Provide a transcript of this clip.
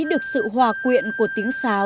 được sự hòa quyện của tiếng sáo